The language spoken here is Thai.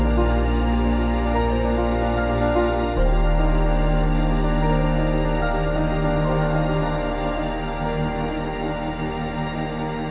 มภาษาอินโจมตี